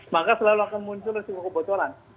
maka selalu akan muncul resiko kebocoran